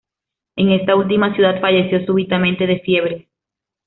En esta última ciudad falleció súbitamente de fiebres.